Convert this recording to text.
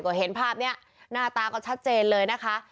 ก็เห็นภาพนี้หน้าตาก็ชัดเจนเลยนะคะ